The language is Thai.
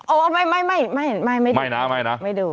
โอไม่ไม่ไม่ไม่ดุ